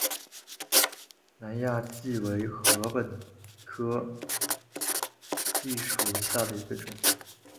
南亚稷为禾本科黍属下的一个种。